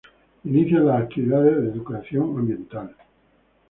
Inician las actividades de Educación Ambiental.